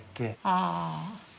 ああ。